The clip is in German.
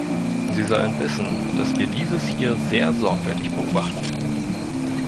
Sie sollen wissen, dass wir dieses hier sehr sorgfältig beobachten!